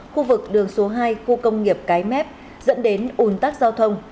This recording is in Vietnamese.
khu vực đường số hai khu công nghiệp cái mép dẫn đến ủn tắc giao thông